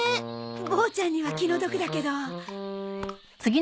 ボーちゃんには気の毒だけど。